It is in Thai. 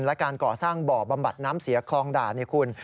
และการก่อสร้างบ่อบำบัดน้ำเสียคลองด่านเนี่ยคุณ